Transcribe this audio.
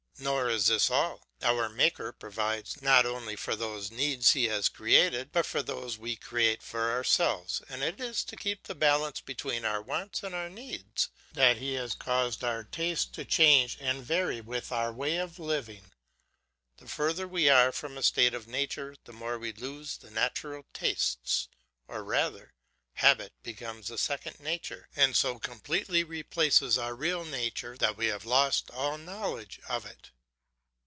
Nor is this all. Our Maker provides, not only for those needs he has created, but for those we create for ourselves; and it is to keep the balance between our wants and our needs that he has caused our tastes to change and vary with our way of living. The further we are from a state of nature, the more we lose our natural tastes; or rather, habit becomes a second nature, and so completely replaces our real nature, that we have lost all knowledge of it.